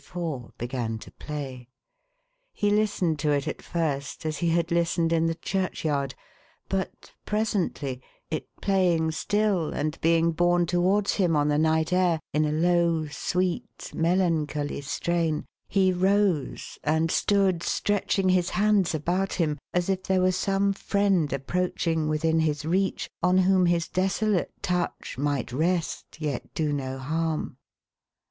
fore, began to play. He listened to it at first, as he had listened in the churchyard; but presently — it playing still, and being borne towards him on the night air, in a low, sweet, melan choly strain — he rose, and stood stretching his hands about him, as if there were some friend approaching within his reach, on whom his desolate touch might rest, yet do no harm.